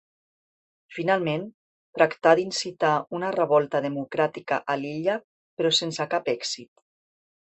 Finalment, tractà d'incitar una revolta democràtica a l'illa, però sense cap èxit.